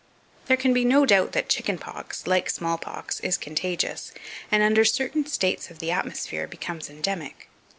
2540. There can be no doubt that chicken pox, like small pox, is contagious, and under certain states of the atmosphere becomes endemic.